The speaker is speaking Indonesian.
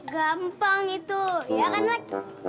gampang itu ya kan nek